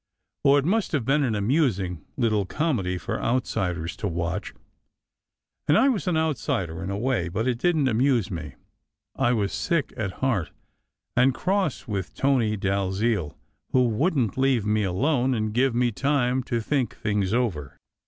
Oh, it must have been an amusing little comedy for outsiders to watch; and I was an outsider in a way; but it didn t amuse me. I was sick at heart, and cross with Tony Dalziel, who wouldn t leave me alone or give me time to think things over.